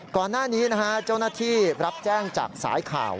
ก่อนหน้านี้นะฮะเจ้าหน้าที่รับแจ้งจากสายข่าว